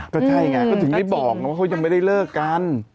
ก็ใช่ไงก็ถึงได้บอกไงว่าเขายังไม่ได้เลิกกัน